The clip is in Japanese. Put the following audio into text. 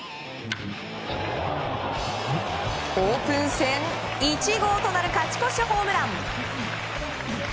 オープン戦、１号となる勝ち越しホームラン！